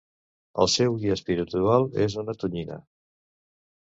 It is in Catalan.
El seu guia espiritual és una tonyina.